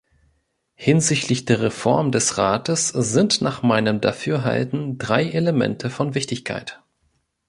Hinsichtlich der Reform des Rates sind nach meinem Dafürhalten drei Elemente von Wichtigkeit.